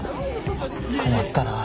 困ったな。